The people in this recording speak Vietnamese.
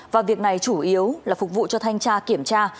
và việc này chủ yếu là phục vụ cho thanh tra kiểm tra